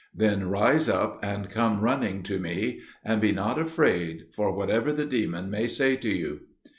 Then rise up and come running to me, and be not afraid for whatever the demon may say to you."